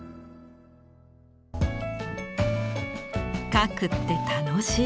「描くって楽しい！」。